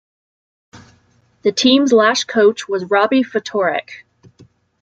The team's last coach was Robbie Ftorek.